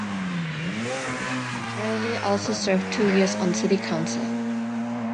Reilly also served two years on city council.